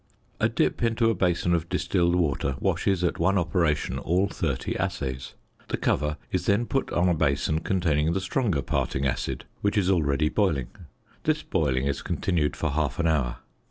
A dip into a basin of distilled water washes at one operation all 30 assays. The cover is then put on a basin containing the stronger parting acid which is already boiling. This boiling is continued for half an hour.